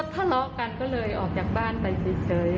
ทะเลาะกันก็เลยออกจากบ้านไปเฉย